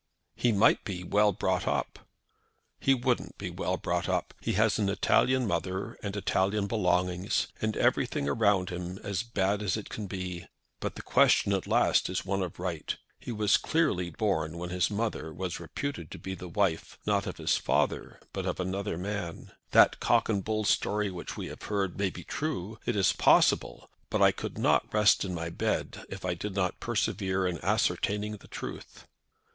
"He might be well brought up." "He wouldn't be well brought up. He has an Italian mother and Italian belongings, and everything around him as bad as it can be. But the question at last is one of right. He was clearly born when his mother was reputed to be the wife, not of his father, but of another man. That cock and bull story which we have heard may be true. It is possible. But I could not rest in my bed if I did not persevere in ascertaining the truth."